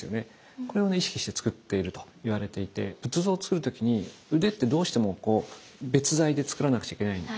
これを意識してつくっているといわれていて仏像をつくる時に腕ってどうしても別材でつくらなくちゃいけないんですね。